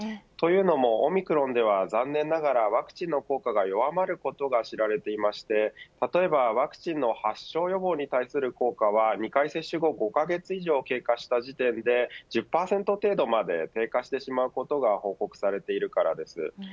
というのもオミクロンでは、残念ながらワクチンの効果が弱まることが知られていまして例えばワクチンの発症予防に対する効果は２回接種後、５カ月以上経過した時点で１０％程度まで低下してしまうことが報告されているからです。